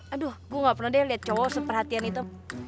aduh gue gak pernah deh lihat cowok seperhatian itu